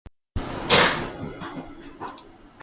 The program examines the disturbing behaviors of serial killers.